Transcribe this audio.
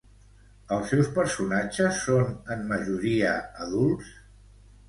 Els seus personatges són en majoria adults?